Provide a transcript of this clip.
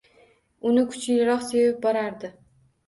Uni kuchliroq sevib borardi